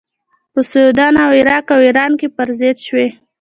په سودان او عراق او ایران کې پر ضد شوې.